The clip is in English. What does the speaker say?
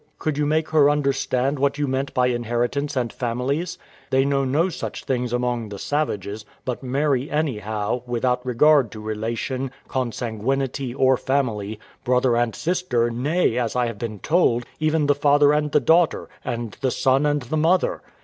Could you make her understand what you meant by inheritance and families? They know no such things among the savages, but marry anyhow, without regard to relation, consanguinity, or family; brother and sister, nay, as I have been told, even the father and the daughter, and the son and the mother.